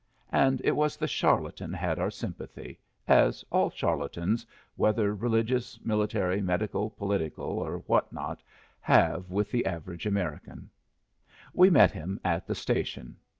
And it was the charlatan had our sympathy as all charlatans, whether religious, military, medical, political, or what not, have with the average American. We met him at the station.